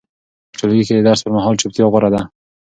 په ټولګي کې د درس پر مهال چوپتیا غوره ده.